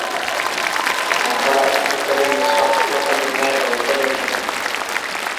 ମଙ୍ଗରାଜଙ୍କ ପରି ନିସ୍ୱାର୍ଥ ଲୋକ ଦୁନିଆରେ ଅଳ୍ପ ଦେଖିବ ।